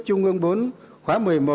trung ương bốn khóa một mươi một